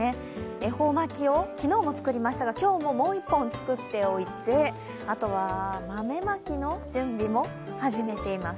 恵方巻きを昨日も作りましたが今日ももう１本、作っておいてあとは、豆まきの準備も始めています。